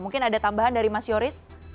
mungkin ada tambahan dari mas yoris